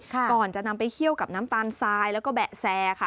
ก่อนจะนำไปเคี่ยวกับน้ำตาลทรายแล้วก็แบะแซค่ะ